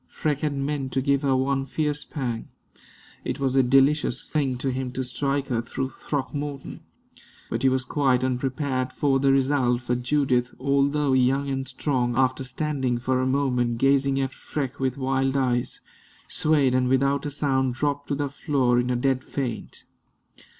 Freke had meant to give her one fierce pang; it was a delicious thing to him to strike her through Throckmorton; but he was quite unprepared for the result, for Judith, although young and strong, after standing for a moment gazing at Freke with wild eyes, swayed and without a sound dropped to the floor in a dead faint.